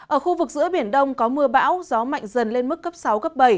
ở khu vực giữa biển đông có mưa bão gió mạnh dần lên mức cấp sáu cấp bảy